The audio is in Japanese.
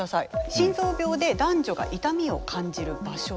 心臓病で男女が痛みを感じる場所です。